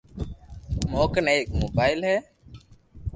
مون ڪني ايڪ موبائل ھي